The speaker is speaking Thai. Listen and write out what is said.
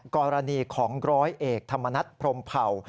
กรณีของร้อยเอกธรรมนัฐพรมเผ่า